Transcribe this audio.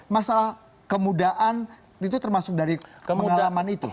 masalah kemudaan itu termasuk dari pengalaman itu